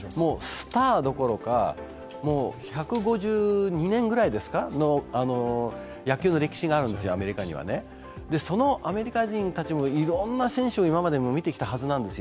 スターどころか１５２年くらいの野球の歴史があるんです、アメリカにはねそのアメリカ人たちもいろんな選手を今までも見てきたはずなんですよ。